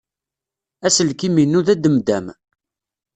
Aselkim-inu d ademdam.